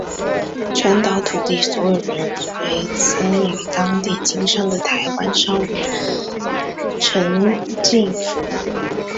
全岛土地所有人为曾于当地经商的台湾商人陈进福。